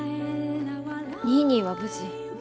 ニーニーは無事。